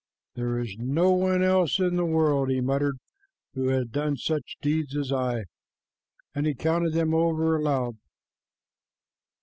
"There is no one else in the world," he muttered, "who has done such deeds as I," and he counted them over aloud.